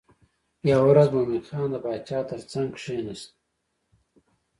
یوه ورځ مومن خان د باچا تر څنګ ناست دی.